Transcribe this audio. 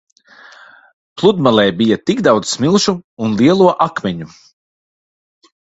Pludmalē bija tik daudz smilšu un lielo akmeņu.